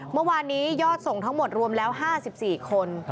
เมื่อวานนี้ยอดส่งทั้งหมดรวมแล้ว๕๔คน